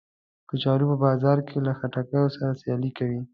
کچالو په بازار کې له خټکیو سره سیالي کوي